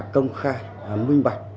công khai minh bạch